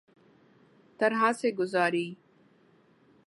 طرح سے گزاری